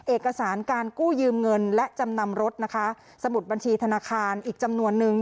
เอกสารการกู้ยืมเงินและจำนำรถนะคะสมุดบัญชีธนาคารอีกจำนวนนึง